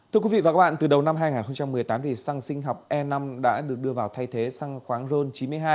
từ đầu năm hai nghìn một mươi tám xăng sinh học e năm đã được đưa vào thay thế xăng khoáng ron chín mươi hai